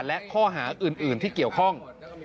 และข้อหาอื่นที่เกี่ยวข้อง